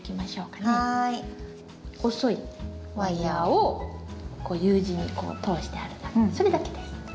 細いワイヤーをこうＵ字に通してあるだけそれだけです。